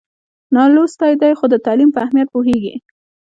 نالوستی دی خو د تعلیم په اهمیت پوهېږي.